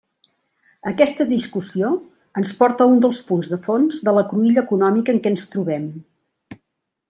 Aquesta discussió ens porta a un dels punts de fons de la cruïlla econòmica en què ens trobem.